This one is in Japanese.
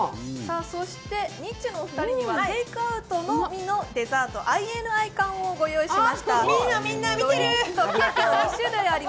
そしてニッチェのお二人にはテイクアウトのみのデザート、ＩＮＩ缶をご用意しました。